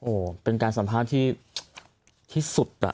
โหเป็นการสัมภาษณ์ที่ที่สุด